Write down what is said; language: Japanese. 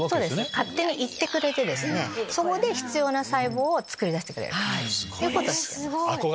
勝手に行ってくれてそこで必要な細胞を作り出してくれる。